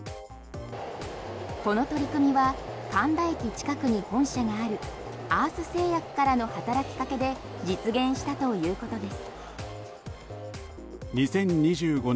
この取り組みは神田駅近くに本社があるアース製薬からの働きかけで実現したということです。